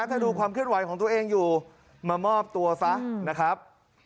ถ้าดูความเคลื่อนไหวของตัวเองอยู่มามอบตัวซะนะครับ